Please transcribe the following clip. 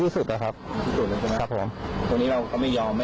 ที่สุดหรือเปล่าครับคนนี้เราก็ไม่ยอมนะครับไม่ยอม